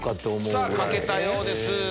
さぁ書けたようです。